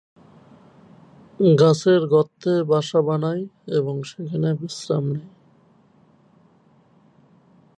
গাছের গর্তে বাসা বানায় এবং সেখানে বিশ্রাম নেয়।